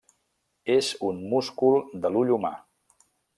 És un múscul de l'ull humà.